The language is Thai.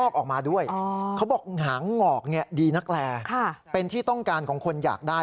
เพราะขนหางของพังแม่เพียวสวย